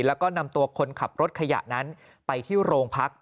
แล้วก็นำตัวคนขับรถขยะนั้นไปที่โรงพัก